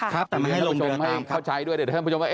ครับแต่ไม่ให้ลงเรือตามครับ